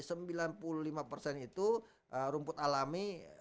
sembilan puluh lima persen itu rumput alami